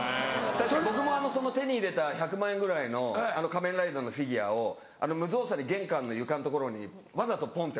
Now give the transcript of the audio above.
確かに僕もその手に入れた１００万円ぐらいの仮面ライダーのフィギュアを無造作に玄関の床の所にわざとポンって。